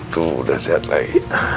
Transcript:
tuh udah sehat lagi